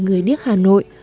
người điếc hà nội